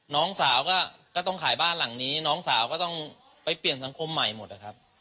น้องสาวก็ต้องขายบ้านหลังนี้น้องสาวก็ต้องไปเปลี่ยนสังคมใหม่หมดนะครับ